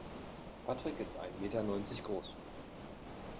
Patrick ist ein Meter neunzig groß.